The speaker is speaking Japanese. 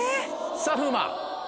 さぁ風磨。